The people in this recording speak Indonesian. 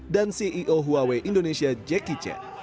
dan ceo huawei indonesia jackie chen